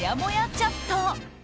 チャット。